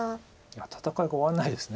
戦いが終わらないです。